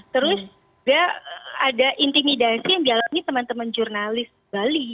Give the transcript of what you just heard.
terus juga ada intimidasi yang dialami teman teman jurnalis bali